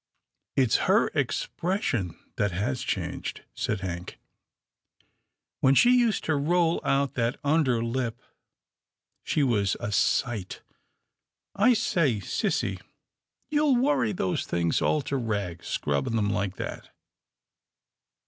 "It's her expression that has changed," said Hank. " When she used to roll out that under lip she was a sight — I say, sissy, you'll worry those things all to rags scrubbing 'em like that.